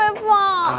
tapi bunga capek pak